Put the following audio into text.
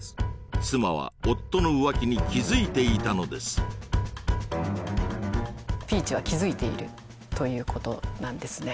妻は夫の浮気に気づいていたのですピーチは気づいているということなんですね